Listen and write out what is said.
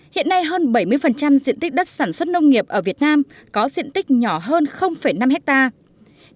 hiện nay hơn bảy mươi diện tích đất sản xuất nông nghiệp ở việt nam có diện tích nhỏ hơn năm hectare